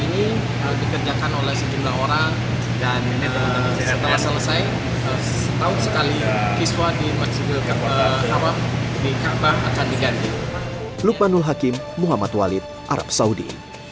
ini dikerjakan oleh sejumlah orang dan setelah selesai setahun sekali kiswah di masjid al arab di kaabah akan diganti